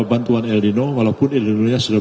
bantuan ilinono walaupun ilinononya sudah berubah